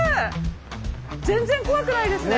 全然怖くないですね！